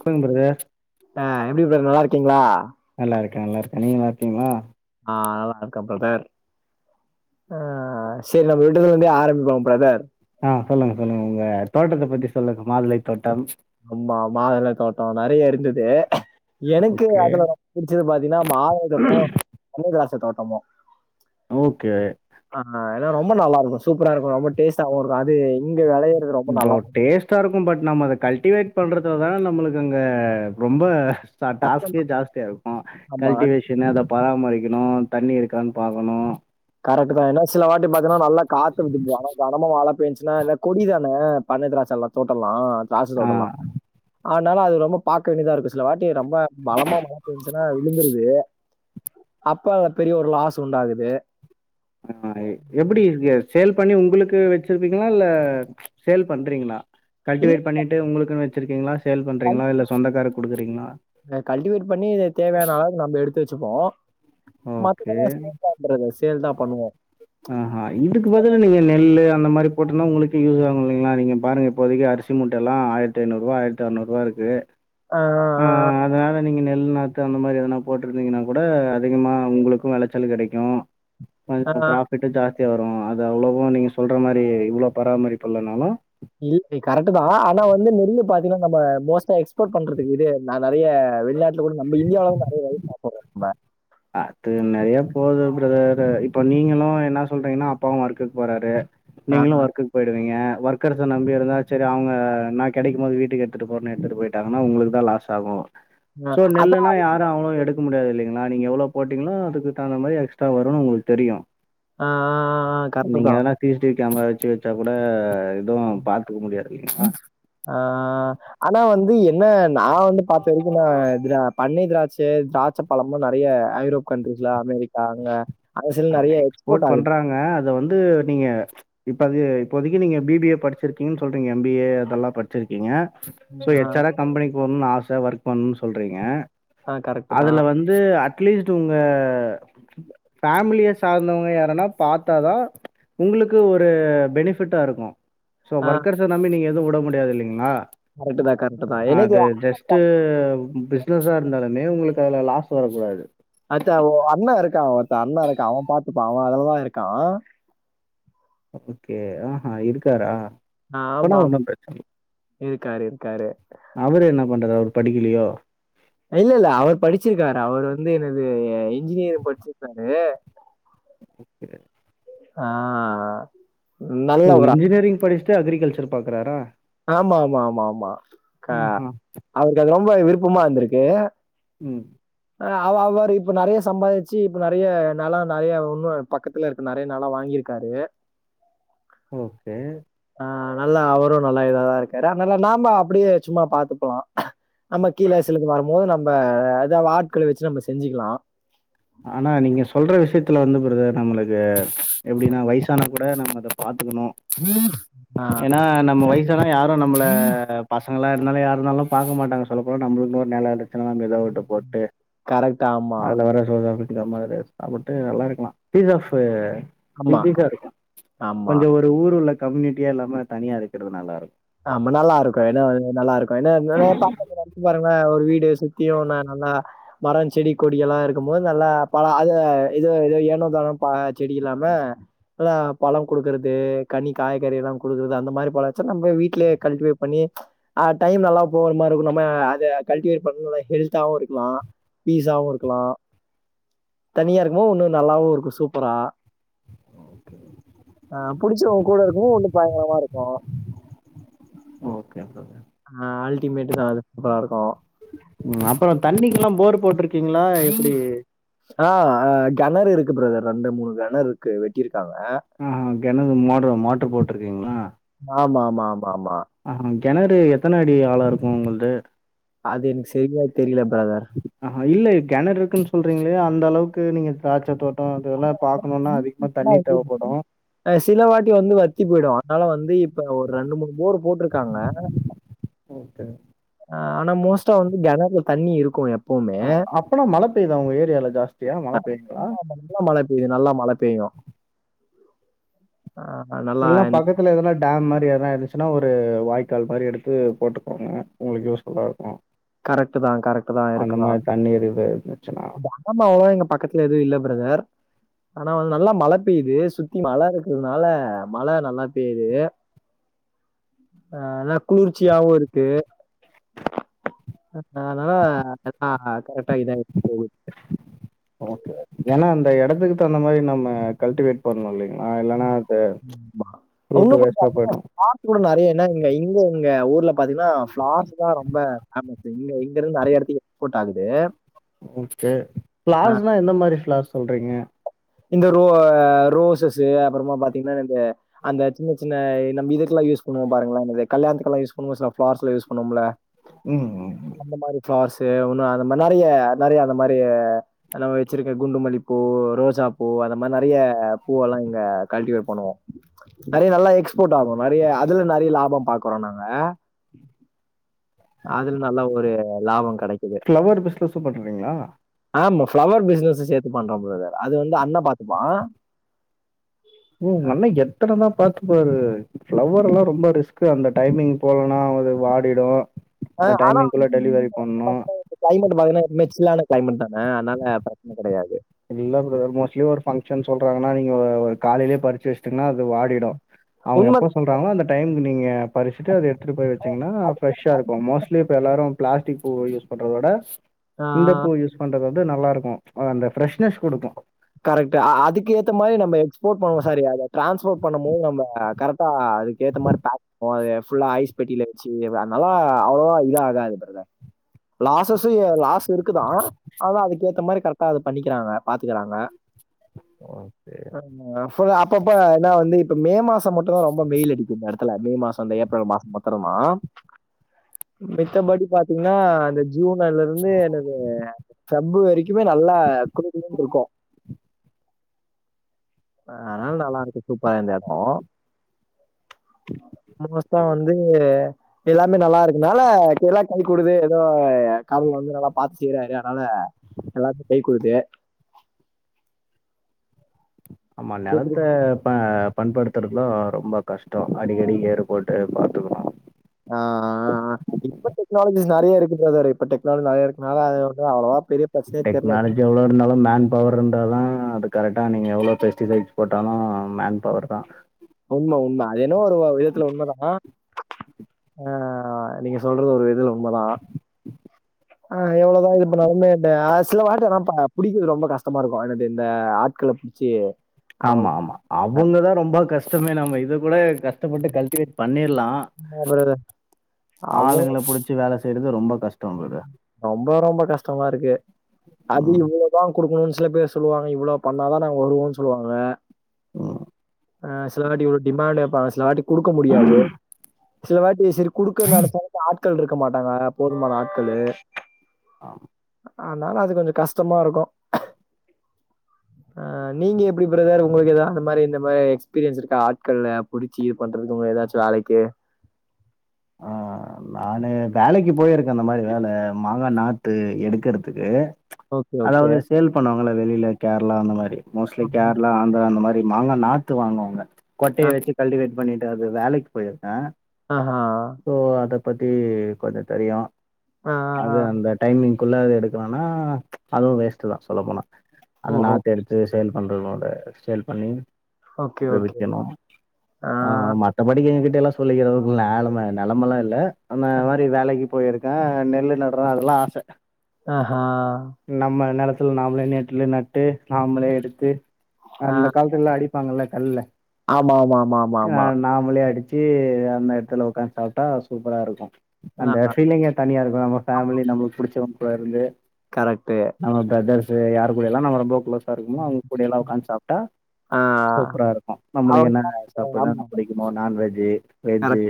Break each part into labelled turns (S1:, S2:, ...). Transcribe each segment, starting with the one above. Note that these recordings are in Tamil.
S1: சொல்ங்க ப்ரதர்
S2: ஆ எப்டி ப்ரதர் நல்லாருக்கீங்களா
S1: நல்லாருக்கே நல்லாருக்கே நீங்க நல்லருக்கீங்களா
S2: ஆ நல்லாருக்கே ப்ரதர் ஆ செரி நம்ம விட்டதுலருந்தே ஆரம்பிப்போ ப்ரதர்
S1: ஆ சொல்லுங்க சொல்லுங்க உங்க தோட்டத்த பத்தி சொல்லுங்க மாதுளை தோட்டம்
S2: ஆமா மாதுளை தோட்டோ நெறய இருந்தது எனக்கு
S1: ஓகே
S2: அதுல புடிச்சது பாத்தீங்கன்னா மாதுளை தோட்டமு பந்த காச தோட்டமு
S1: ஓக்கே
S2: ஆ ஆ ரொம்ப நல்லாருக்கு சூப்பராருக்கு ரொம்ப டேஸ்டாவுருக்கு அது இங்க வெளைய
S1: இப்போ டேஸ்ட்டாருக்கு பட் நம்ப அத கல்டிவேட் பண்றதுல தான நம்ளுக்கு அங்க ரொம்ப
S2: கஷ்டந்தா
S1: டாஸ்கே ஜாஸ்தியா இருக்கு
S2: ஆமா
S1: கல்டிவேஷன் என்ன அத பராமரிக்கணு தண்ணி இருக்கானு பாக்கணு
S2: கரெக்ட் தான் என்னா சில வாட்டி பாத்தீனா நல்லா காத்து அடிக்கும் கனமா மழ பேன்சின்னா எல்ல கொடிதான பன்னீர் திராச்சல்லா போட்ரலா திராச்ச
S1: ஆ
S2: தோட்டலா அதனால அது ரொம்ப பாப் க்குனுதா இருக்கு சில வாட்டி ரொம்ப பலமா மழ பெஞ்ச்சுன்னா விழுந்துருது அப்ப பெரிய ஒரு லாஸ் உண்டாகுது
S1: ஆ எப்டி ய சேல் பண்ணி உங்ளுக்கு வச்சிருப்பீங்களா இல்ல சேல் பண்றீங்ளா கல்டிவேட் பண்ணிட்டு உங்ளுக்குன்னு வச்சிருக்கீங்களா சேல் பண்றீங்களா இல்ல சொந்தக்காருக்கு குடுக்குறீங்களா
S2: அ கல்டிவேட் பண்ணி தேவையான அளவு நம்ப எடுத்து வச்சுப்போம் மத்ததெல்லா [inaudible] ப்ரதர்ஸ்
S1: ஆ ஆ இதுக்கு பதில் நீங்க நெல்லு அந்த மாரி போட்டனா உங்களுக்கு யூஸ் ஆகும் இல்லீங்ளா நீங்க பாருங்க இப்போதைக்கு அரிசி மூட்டல்லாம் ஆயிரத் த்துநூறு ரூவா ஆயிரத்தி ஆர்னூ ரூவா இருக்கு
S2: அ
S1: ஆ அத அத நீங்க நெல் நாத்து அந்த மாரி எதனா போட்டிருந்தீங்கன்னா கூட அதிகமாக உங்ளுக்கு வெளச்சல் கெடைக்கும்
S2: ஆ,
S1: கொஞ்சம்
S2: ஆ.
S1: ப்ராஃபிட்டு ஜாஸ்தியா வரும் அது அவ்வளோவோ நீங்க சொல்ற மாரி இவ்வளோ பராமரிப்பு இல்லனாலும்
S2: இல்ல கரெக்டுதா ஆனா வந்து நெல்லு பாத்தீன்னா நம்ப மோஸ்டா எக்ஸ்போர்ட் பண்றது இது நா நெறைய வெளிநாட்டுல கூட நம்ம இந்தியாவுல வந்து நறைய வாங்கி சாப்பிடுறோம் நம்ம
S1: அது நிறைய போது பிரதர் இப்ப நீங்களும் என்ன சொல்றீங்கன்னா அப்பாவும் ஒர்க்குக்கு போறாரு
S2: ஆ,
S1: நீங்களும் ஒர்க்கு போயிடுவீங்க ஒர்கர்ஸ நம்பி இருந்தா செரி அவங்க நா கெடைக்கும் மோது வீட்டுக்கு எடுத்துட்டு போறனு எடுத்துட்டு போயிட்டாங்கன்னா உங்களுக்குதா லாஸ் யூஸ் ஆகும்
S2: ஆ
S1: சோ
S2: அதான்
S1: நெல்லுன்னா யாரும் அவ்ளோ எடுக் க முடியாது இல்லீங்களா நீங்க எவ்வளோ போட்டீங்ளோ அதுக்கு தகுந்த மாரி எக்ஸ்ட்ரா வருனு உங்ளுக்கு தெரியும்
S2: ஆ, ஆ, ஆ கரெக்ட்டு
S1: நீங்க
S2: தான்.
S1: எதனா C C T V camera வச்சு வச்சா கூட எதுவும் பாக் க்க முடியாது இல்லீங்ளா
S2: ஆ ஆனா வந்து என்ன நா வந்து பாத்த வரைக்கும் நா திரா பன்னீர் திராட்ச சாத் சப்பழம்லா நறைய ஐரோப் கண்ட்ரீஸ்ல அமெரிக்கா அங்க சில
S1: அங்க
S2: நெறைய
S1: எக்ஸ்போர்ட்
S2: ஆகுது.
S1: பண்றாங்க அத வந்து நீங்க இப்ப அது இப்போதைக்கு நீங்க பி பி ஏ படிச்சிருக்கீங்கன்னு சொல்றீங்க எம் பி ஏ அதெல்லாம் படிச்சிருக்கீங்க சோ
S2: ஆ,
S1: எச்ஆடா கம்பெனிக்கு போனுனு ஆச ஒர்க் பண்ணு சொல்றீங்க
S2: ஆ கரெக்ட்டு தான்.
S1: அதுல வந் து அட்லீஸ்ட் உங்க [inaudible] ஃபேமிலிய சாந்தவங்க யாருன்னா தாத்தா தான் உங்ளுக்கு ஒரு பெனிஃபிட்டா இருக்கோம் சோ
S2: ஆ
S1: ஒர்க்கர்ஸ நம்பி நீங்க எதும் வுட முடியாது இல்லீங்ளா
S2: கரெக்ட்டு தான், கரெக்ட்டு தான். எனக்கு
S1: அது ஜஸ் ட்டு பிஸ்னஸ்ஸா இருந்தாலுமே உங்களுக்கு அதுல லாஸ் வரக்கூடாது
S2: அடுத்து ஒ அண்ண இருக்கான் ஒருத்த அண்ண இருக்கான் பாத்துப்பா அவ அதுலா இருக்கான்
S1: ஓகே ஆ இருக்காரா அப்பனா
S2: ஆமாம்
S1: ஒண்ணும் பிரச்சனை இல்ல.
S2: இருக்காரு இருக்காரு
S1: அவரு என்ன பண்றாரு அவரு படிக்கீலீயோ
S2: இல்லல்ல அவரு படிச்சிருக்காரு அவர் வந்து என்னது இன்ஜினியரிங் படிச்சிருக்காரு
S1: ஓகே
S2: ஆ நல்ல
S1: ஓ
S2: ஒரு ஆள்.
S1: இன்ஜினியரிங் படிச்சுட்டு அக்ரிகல்ச்சர் பாக்குறாரா
S2: ஆமா ஆமா ஆமா ஆமா க
S1: ஆஹா.
S2: அவருக்கு அது ரொம்ப விருப்பமா இருந்திருக்கு
S1: ம்
S2: ‌அ அவ அவ ரு இப்ப நெறய சம்பாரிச்சு இப்ப நறய நெலோ நறய இன்னூ பக்கத்துல இருக் நெறய நெலோ வாங்கியிருக்காரு
S1: ஓ கே
S2: ஆ நல்லா அவரூ நல்லா இதாதா இருக்காரு அத்னால நாம அப்டியே சும்மா பாத்துப்போலா நம்ம கீல சிலது வரும் போது நம்ப ஏதா ஆட்கள வச்சு நம்ம செஞ்சுக்கலா
S1: ஆனா நீங்க சொல்ற விஷயத்துல வந்து பிரதர் நம்மளுக்கு எப்டின்னா வயசானா கூட நம்ம அத பாத்துக்கணூ
S2: அஹ்
S1: ஏனா நம்ம வயசு வயசானா யாரு நம்மள பசங்களா இருந்தாலு யாருனாலு பாக்க மாட்டாங்க சொல்ல போனா நம்ளுக்கு ஒரு நெலோ இரூக் தினோ நம்ப எதா ஒட்ட போட்டு
S2: கரெக்ட் ஆமா.
S1: அதல்ல வர [inaudible] சாப்பிட்டு நல்லா இருக்கலா பீஸ் ஆஃப்
S2: ஆமா,
S1: [unintelligible] இருக்கோ
S2: ஆமா.
S1: கொஞ்சோ ஒரு ஊர் உள்ள கம்யூனிட்டியா இல்லாம தனியா இருக்கறது நல்லா இருக்
S2: ஆமா நல்லா இருக்கோ என்ன ஒன்னு நல்லா இருக்கோ என்ன [inaudible] ஓரமா ஒரு வீடு சுத்தியூ ஒன்னு நல்லா மரம் செடி கொடி எல்லா இருக்கு போத் நல்லா பலா அது ஏதோ ஏதோ ஏனோ தானோ ப செடி இல்லாம நல்லா பழம் குடுக்கறது கனி காய்கறி எல்லா குடுக்குறது அந்த மாறி பழோ வச்சா நம்ம வீட் வீட்லியே கல்டிவேட் பண்ணி ஆ டைம் நல்லா போற மாறி இருக்கோ நம்ம அத கல்டிவேட் பண்றது நல்லா ஹெல்தாவூ இருக்கலா பீஸாவூ இருக்கலா தனியா இருக்குமோ இன்னூ நல்லாவூ இருக்கோ சூப்பரா ஆ புடிச்சவங்க கூட இருக்கவூ இண்ணூ பயங்கரமா இருக்கோ
S1: ஓகே பிரதர்
S2: ஆ அல்டிமேட் தா அது சூப்பரா இருக்கோ
S1: அப்றோ தண்ணிக் கெலா போர் போட்ருக்கீங்களா எப்டி
S2: அ ஆ கெணறு இருக்கு பிரதர் ரெண்டு மூணு கெணறு இருக்கு வெட்டிருக்காங்க
S1: ம் ம் கெணறு மோட்ரு மோட்டரு போட்டிருக்கீங்களா
S2: ஆ மா மா மா மா
S1: ஆ ஹாங் கொணறு எத்தன அடி ஆழோ இருக்கோ உங்கள்து
S2: அது என்க் சரியா தெர்ல பிரதர்
S1: ஆ ஹாங் இல்லே கெணறு இருக்குன்னு சொல்றீங்களே அந்த அளவுக்கு நீங்க திராட்ச தோட் டோம் அதெல்லா பாக் கணும்னா அதிகமா தண்ணி தேவப்படோ
S2: அ சில வாட்டி வந்து வத்தி போயிடோ அதனால வந்து இப்ப ஒரு ரெண்டு மூணு போர் போட்டிருக்காங்க
S1: ஓகே
S2: ஆ ஆனா மோஸ்ட்டா வந்து கெணர்ல்ல தண்ணி இருக்கும் எப்
S1: ஆ அப்பனா மழை பெய்தா உங்க ஏரியால ஜாஸ்தியா மழ பெய்தா
S2: ஆமா, ஆமா. நல்லா மழ பெயூ நல்ல மழ பெய்யூ ஆ அனா
S1: எல்லா பக்கத் தில எதனா டேம் மாறி எதா இருந்சுனா ஒரு வாய்க்கால் மாறி எடுத்து போட்டுக்கோங்க உங்ளுக்கு யூஸ்ஃபுல்லா இருக்கோ
S2: கரெக்ட்டு தான், கரெக்ட்டு தான்
S1: அந்த மாறி தண்ணி இருவ இருந்துச்சுனா
S2: ஆமா அவ்ளோ எங்க பக்கத்துல எதூ இல்ல பிரதர் ஆனா வந்து நல்லா மழை பெய்து சுத்தி மல இருக்கிறதுனால மழை நல்லா பெய்து ஆ அதா குளிர்ச்சியாவூ இருக்கு அத் அத்னால அத் கரெக்ட் ஆயி இதா போவுத்து
S1: ஓகே ஓகே ஏனா அந்த எடத்துக்கு தகுந்த மாறி நம்ம கல்டிவேட் பண்ணு இல்லீங்ளா இல்லனா அது
S2: ஆமா.
S1: ஃப்ரூட்டு
S2: இன்னும் கொஞ்சம்
S1: வேஸ்டா போயிடு
S2: ஆர்ட் கூட நறைய என்ன இங்க இங்க இங்க ஊர்ல பாத்தீங்னா ஃப்ளார்ஸ் தா ரொம்ப பேமஸ் இங்க இருந் நறையடத்தி
S1: ஓகே
S2: அ
S1: ஃபிளார்ஸ்னா எந்த மாறி ஃபிளார்ஸ் சொல்றீங்க
S2: இந்த ரோ ரோசஸ்ஸீ அப்பறமா பாத்தீங்னா இந்த அந்த சின்ன சின்ன நம்ம இதுகெலா யூஸ் பண்ணுவோ பாருங்கள என்னது கல்யாணத்துக் கெலா யூஸ் பண்ணுவோ சில ஃபிளார்ஸ்லா யூஸ் பண்ணுவோம்ல
S1: ம் ம் ம்
S2: அந்த மாறி ஃபிளார்ஸு ஒன்னு அந்த மாறி நறைய நறைய அந்த மாறி நல்லாவே வச்சிருக்கே குண்டு மல்லிப்பூ ரோசாப் பூ அந்த மாறி நறைய பூவெல்லா இங்க கல்டிவேட் பண்ணுவோ நறைய நல்லா எக்ஸ்போர்ட் ஆகு நறைய அதுல நறைய லாப பாக்குறோ நாங்க அதுல நல்ல ஒரு லாப கெடைக்குது
S1: ஃப்ளவர் பிஸ்னஸூ பண்ணுறீங்ளா
S2: ஆமா ஃபிளவர் பிசினஸ் சேத்து பண்றொம் பிரதர் அது வந்து அண்ணா பாத்துப்பா
S1: ப்ரோ உங்க அண்ணா எத்தனதா பாத்து பாரு ஃப்ளவர் எல்லா ரொம்ப ரிஸ்க் அந்த டைமிங் போலனா அது வாடிடு
S2: அ
S1: அந்த
S2: ஆனா
S1: டைமிங்குள்ள டெலிவரி பண்ணு
S2: கிளைமேட் பாத்திங்னா எப்பவுமே சில்லான கிளைமெட் தான அதனால பிரச்சன கெடையாது
S1: இல்ல பிரதர் மோஸ்ட்லி ஒரு ஃபங்க்ஷன் சொல்றாங்கனா நீங்க ஒரு காலைலயே பறிச்சு வச்சுடிங்கனா அது வாடிடு அவங்க எப்ப
S2: உண்மதான்.
S1: சொல் ப்பாவு அந்த டைமுக்கு நீங்க பரிசுட்டு அத எடுத்துட்டு போய் வச்சிங்ன்னா ஃப்ரெஷா இருக்கு மோஸ்ட்லி இப்போ எல்லோரு பிளாஸ்டிக் பூவ யூஸ் பண்றத விட
S2: ஆ
S1: இந்த பூ யூஸ் பண்றது வந்து நல்லா இருக்கு அந்த ஃப்ரெஷ்னஸ் குடுக்கு
S2: கரெக்ட் அதுக்கு ஏத்த மாரி நம்ம எஸ்போர்ட் பன்னுவோ சாரி அத டிரான்ஸ்போர்ட் பண்ணும் போது நம் கரெடா அதுக்கு ஏத்த மாரி பேக் ஃபுல்லா ஐஸ் பெட்டியில வச்சு அதனாலா அவ்வளவா இது ஆகாது பிரதர் லாசஸ் லாஸ் இருக்குதா அதா அதுக்கு ஏத்த மாரி கரெக்டா அது பண்ணிக்கிறாங்க பாத்துகறாங்க
S1: ஓகே
S2: அப்பப்ப என்ன வந்து இப்ப மே மாசம் மட்டு தா ரொம்ப வெயில் அடிக்கு இந்த எடத்துல மே மாச அந்த ஏப்ரல் மாச மட் த்தறம மித்தபடி பாத்தீங்னா அந்த ஜூன் அல இருந்து எனது ஃபெப் வரிக்குமே நல்லா குளு குளுனு இருக்கு ஆ அதனால நல்லா இருக்கு சூப்பரா இந்த எடோ மோஸ்டா
S1: ஓகே.
S2: வந்து எல்லாமே நல்லா இருக்குனால எல்லாம் கை கூடுது ஏதோ கடவுள் வந்து நல்லா பாத்துட்டு செய்றாரு அதனால எல்லாத்துக்கு கை குடுத்து
S1: ஆமா
S2: கேக்குது
S1: நெலத்த ப பண்படுத்துறது தா ரொம்ப கஷ்ட அடிக்கடி ஏறு போட்டு பாத்துக்குவோ
S2: ஆ இப்போ டெக்னாலஜிஸ் நெறைய இருக்கு பிரதர் இப்ப டெக்னாலஜி நெறைய இருக் அதனால அது வந்து அவ்ளவா பெரிய பிரச்சனையே தெரில
S1: எவ்ளோ இருந்தாலு மேன் பவர் இருந்தாதா அது கரெக்டா நீங்க எவ்ளோ பெஸ்டிசைட்ஸ் போட்டாலு மேன் பவர் தா
S2: உண்ம உண்ம அது என்னோ ஒரு விதத்துல உண்மதா ஆ நீங்க சொல்றது ஒரு இதுல உண்மதா ஆ எவ்வளவுதா இது பண்ணாலுமே சில வாட்டைனா புடிக்கது ரொம்ப கஷ்டமா இருக்கு எனது இந்த ஆட்களப் மச்சி
S1: ஆமா ஆமா அவங்கதா ரொம்ப கஷ்டமே நம்ம இது கூட கஷ்டப்பட்டு கல்டிவேட் பண்ணிலா
S2: ஆமா பிரதர். அவங்க
S1: ஆளுங்கள புடிச்சு வேல செய்றது ரொம்ப கஷ்
S2: ரொம்ப ரொம்ப கஷ்டமா இருக்கு அது
S1: ம்.
S2: இவளோ தா குடுக்கணுன் சில பேர் சொல்லுவாங்க இவளோ பண்ணாதா நாங்க வருவோன் சொல்லுவாங்க
S1: ம்
S2: ஆ சிலவாட்டி இவளோ டிமாண்ட் வெப்பாங்க சிலவாட்டி குடுக்க முடியாது சில வாட்டி செரி குடுக்கன்னு நெனச்சாலு இந்த ஆட்கள் இருக்க மாட்டாங்க போதுமான ஆட்களு
S1: ஆம்
S2: அதனால அது கொஞ்ச கஷ்டமா இருக்கு ஆ நீங்க எப்டி பிரதர் உங்களுக்கு எதாவ்து அந்த மாரி இந்த மாரி எக்ஸ்பீரியன்ஸ் இருக்கா ஆட்கள்ல புடிச்சு இது பண்றதுக்கு உங்கள எதாச்சு வேலைக்கு
S1: ஆ நானு வேலைக்கு போயிருக்க அந்த மாரி வேல மாங்கா நாத்து எடுக்கிறதுக்கு
S2: ஓகே, ஓகே.
S1: அதாவ்து சேல் பண்ணுவாங்கள வெளில கேரளா அந்த மாரி
S2: ஆ.
S1: மோஸ்ட்லி கேரளா ஆந் ந்திரா அந்த மாரி மாங்க நாத்து வாங்குவாங்க கொட்டைய வெச்சு கல்டிவேட் பண்ணிட்டு அது வேலைக்கு போயிருக்கே
S2: ஆ ஹா
S1: சோ அத பத்தி கொஞ்ச தெரியு
S2: ஆ, ஆ,
S1: அது
S2: ஆ.
S1: அந்த டைமிங் குள்ள இது எடுக்கணுனா அதுவு வேஸ்ட்டு தா சொல்லப்போனா அந்த
S2: ஓஹோ!
S1: நாத்தெடுத் ரீ சேல் பண்றதோட சேல் பண்ணி
S2: ஓகே,
S1: இத
S2: ஓகே.
S1: விக்கணு ஆ ஆமா மத்தபடி எங்கக்கிட்டலா சொல்கிறளவுக்கு நாலும நெலமலா இல்ல அந்த மாரி வேலைக்கி போயிருக்கே நெல்லு நட்றே அதுக்குலா ஆச
S2: ஆ ஹா
S1: நம்ம நெலத்துல நாம்ளே நெட்டுல நட்டு நாம்ளே எடுத்து அந்த கால்த் துல அடிப்பாங்கல்ல கல்ல
S2: ஆமாம்மாம்மாம்மாம்மா
S1: நாமளே அடிச்சி அந்த எடத்துல ஒக்காந்து சாப்ட்டா சூப்பரா இருக்கு அந்த
S2: அதான்
S1: ஃபீலிங்கே தனியா இருக்கு நம்ம ஃபேமிலி நம்மளுக்கு புடிச்சவ்ங்க கூட இருந்து
S2: கரெக்ட்டு.
S1: நம்ம பிரதர்ஸ்ு யார கூட எல்லாம் நம்ம நம்ம பிரதர்ஸ்சு யார் கூடைலா நம்ம ரொம்ப க்ளோஸா இருக்கமோ அவுங் கூடைல்லா ஒக்காந்து சாப்ட்டா
S2: ஆ
S1: சூப்பரா இருக்கு நம்மளுக்கு
S2: அவங்கலாம்
S1: என்னென்ன சாப்புட
S2: ஆமா.
S1: புடிக்குமோ நான்வெஜ்ஜு வெஜ்ஜு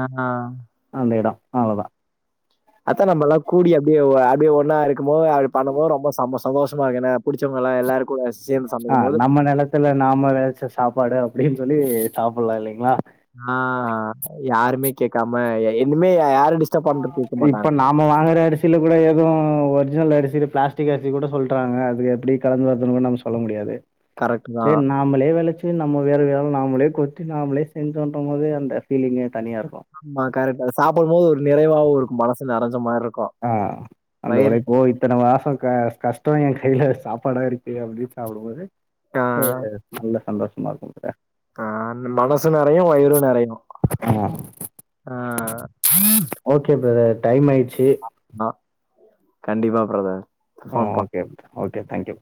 S2: ஏனா
S1: அந்த எடோ அவ்ளதா
S2: அதா நம்மெல்லா கூடி அப்டியே அப்டியே ஒன்னா இருக்கும்போது அது பண்ணும்போது ரொம்ப சந்தோஷ சந்தோஷமா இருக்கு ஏனா புடிச்சவ்ங்கள்லா எல்லாரு
S1: ஆ நம்ம நெலத்துல நாம வெதச்ச சாப்பாடு அப்டின் சொல்லி சாப்புட்லா இல்லைங்ளா
S2: ஆ யாருமே கேக்காம எ இன்னிமே யாரடிச்
S1: இப்ப நா நம்ம வாங்குற அரிசில கூட எது ஒர்ஜினல் அரிசில பிளாஸ்டிக் அரிசி கூட சொல்றாங்க அது எப்டி கலந்து வருதுனு நம்ம சொல்ல முடியாது
S2: கரெக்ட்டுதா
S1: நம்பளே வெளச்சி நம்ம வேலை ஆளு நாமளே கொட்டி நாமளே செஞ்சோன்ற போதே அந்த ஃபீலிங்கே தனியா இருக்கு
S2: ஆமா கரெக்ட்டுதா சாப்டும்போது ஒரு நிறைவாவு இருக்கு மனசு நெறஞ்ச மார்ருக்கு
S1: ஆ அந்த ஒழைப்போ [unintelligible] இத்தன மாச க கஷ்ட எ கைல சாப்பாடா இருக்கு அப்டின் சாப்டும்போது
S2: ஆ.
S1: நல்ல சந்தோஷமா இருக்கும்ல
S2: ஆ அந்த மனசு நெறையு வயிறு நெறையனு
S1: ஆ
S2: ஆ
S1: ஓகே ப்ரதர் டைம் ஆயிட்ச்சு
S2: அ கண்டிப்பா பிரதர் கன்பாஃர்ம் ப
S1: ஓகே ஓகே தேங்க்யூ